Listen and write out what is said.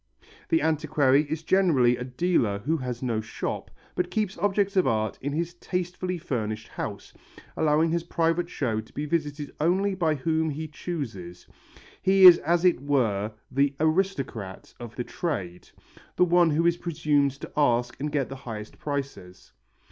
The antiquary is generally a dealer who has no shop, but keeps objects of art in his tastefully furnished house, allowing his private show to be visited only by whom he chooses. He is as it were the aristocrat of the trade, the one who is presumed to ask and get the highest prices.